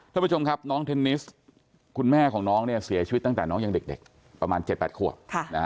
ทุกผู้ชมครับคุณแม่ของน้องสีอายชีวิตตั้งแต่เล็กประมาณเจ็ดบาทขวบ